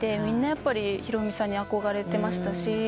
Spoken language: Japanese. みんなやっぱりひろみさんに憧れてましたし。